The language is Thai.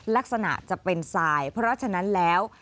ลักษณะจะเป็นทรายเพราะฉะนั้นแล้ว